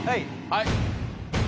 はい。